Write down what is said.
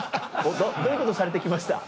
どういうことされて来ました？